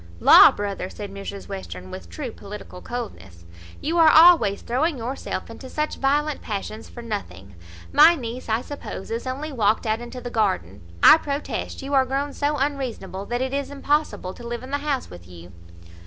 "La! brother," said Mrs Western, with true political coldness, "you are always throwing yourself into such violent passions for nothing. My niece, I suppose, is only walked out into the garden. I protest you are grown so unreasonable, that it is impossible to live in the house with you."